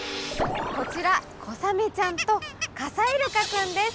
こちらコサメちゃんと傘イルカくんです。